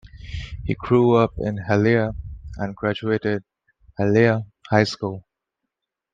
He grew up in Hialeah and graduated Hialeah High School.